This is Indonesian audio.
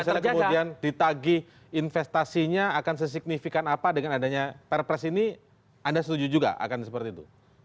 kalau misalnya kemudian ditagih investasinya akan sesignifikan apa dengan adanya perpres ini anda setuju juga akan seperti itu